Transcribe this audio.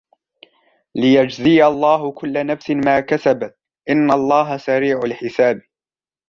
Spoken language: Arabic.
لِيَجْزِيَ اللَّهُ كُلَّ نَفْسٍ مَا كَسَبَتْ إِنَّ اللَّهَ سَرِيعُ الْحِسَابِ